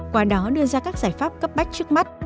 qua đó đưa ra các giải pháp cấp bách trước mắt